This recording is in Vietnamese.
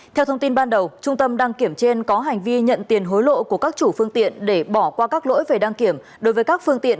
theo thông tin ban đầu trung tâm đăng kiểm trên có hành vi nhận tiền hối lộ của các chủ phương tiện